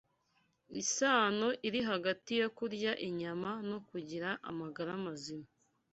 isano iri hagati yo kurya inyama no kugira amagara mazima